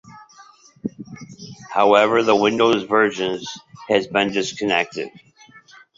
However the Windows version has been discontinued.